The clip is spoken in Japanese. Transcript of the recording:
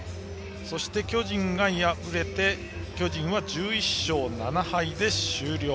そして巨人が敗れて１１勝７敗で終了。